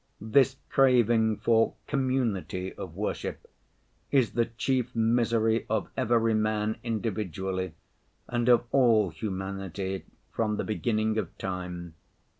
This craving for community of worship is the chief misery of every man individually and of all humanity from the beginning of time.